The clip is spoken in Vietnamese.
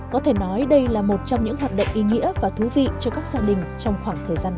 có thể nói đây là một trong những hoạt động ý nghĩa và thú vị cho các gia đình trong khoảng thời gian này